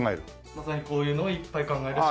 まさにこういうのをいっぱい考える仕事。